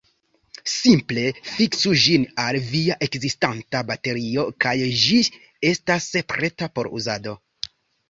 Simple fiksu ĝin al via ekzistanta baterio, kaj ĝi estas preta por uzado.